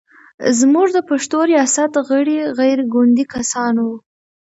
زموږ د پښتو ریاست غړي غیر ګوندي کسان و.